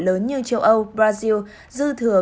lớn như châu âu brazil dư thừa